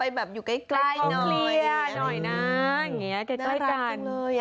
แบบอยู่ใกล้เคลียร์หน่อยนะอย่างนี้ใกล้กัน